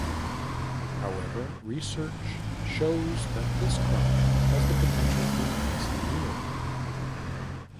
However, research shows that this crop has the potential to increase in yield.